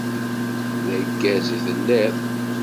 D aggaz i telliḍ.